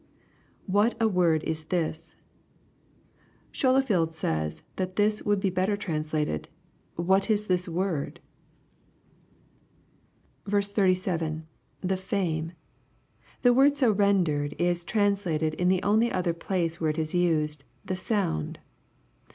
[What a word is this,] Scholefield says that this would be better translated, " What is this word?" 37. — [The fame.] The word so rendered is translated in the only other place where it is used, "the sound."